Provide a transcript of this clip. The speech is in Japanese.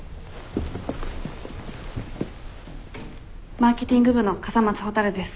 マーケティング部の笠松ほたるです。